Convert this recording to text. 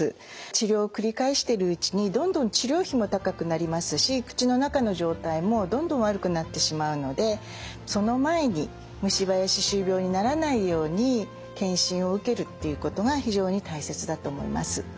治療を繰り返してるうちにどんどん治療費も高くなりますし口の中の状態もどんどん悪くなってしまうのでその前に虫歯や歯周病にならないように健診を受けるっていうことが非常に大切だと思います。